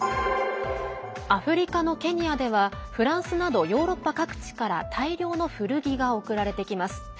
アフリカのケニアではフランスなどヨーロッパ各地から大量の古着が送られてきます。